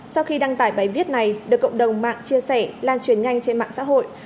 sau khi đăng tải bài viết này được cộng đồng mạng chia sẻ lan truyền nhanh trên mạng xã hội